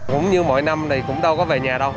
cũng như mỗi năm thì cũng đâu có về nhà đâu